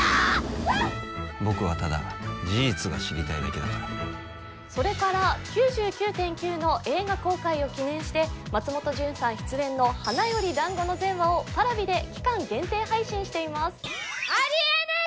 僕はただ事実が知りたいだけだからそれから「９９．９」の映画公開を記念して松本潤さん出演の「花より男子」の全話をＰａｒａｖｉで期間限定配信していますありえねえ